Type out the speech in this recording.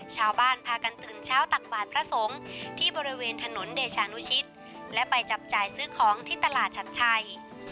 ชาวบ้านพากันตื่นเช้าตักบาทพระสงฆ์ที่บริเวณถนนเดชานุชิตและไปจับจ่ายซื้อของที่ตลาดชัดชัย